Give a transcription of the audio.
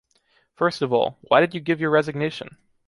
First of all, why did you give your resignation?